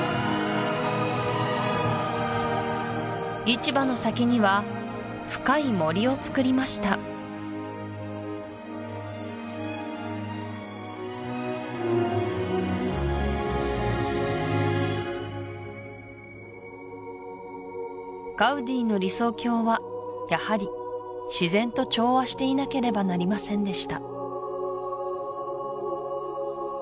市場の先には深い森をつくりましたガウディの理想郷はやはり自然と調和していなければなりませんでした